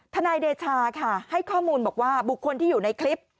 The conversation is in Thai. นายเดชาค่ะให้ข้อมูลบอกว่าบุคคลที่อยู่ในคลิป